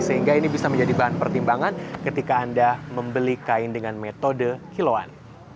sehingga ini bisa menjadi bahan pertimbangan ketika anda membeli kain dengan metode kiloan